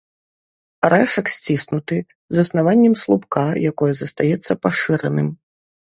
Арэшак сціснуты, з аснаваннем слупка, якое застаецца пашыраным.